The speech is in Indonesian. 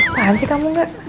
keren sih kamu gak